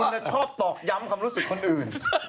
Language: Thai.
จะชอบตอกย้ำความรู้สึกคนอื่น